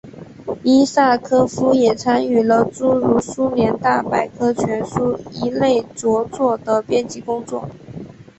伊萨科夫也参与了诸如苏联大百科全书一类着作的编辑工作。